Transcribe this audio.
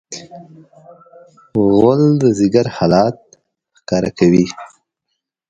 غول د ځیګر حالت ښکاره کوي.